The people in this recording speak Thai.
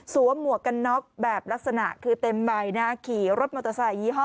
หมวกกันน็อกแบบลักษณะคือเต็มใบนะขี่รถมอเตอร์ไซคยี่ห้อ